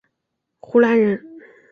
湖南人。